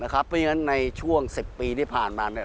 นะครับเพราะงั้นในช่วง๑๐ปีที่ผ่านมาเนี่ย